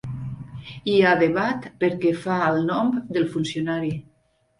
Hi ha debat pel que fa al nom del funcionari.